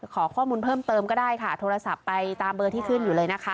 ขอข้อมูลเพิ่มเติมก็ได้ค่ะโทรศัพท์ไปตามเบอร์ที่ขึ้นอยู่เลยนะคะ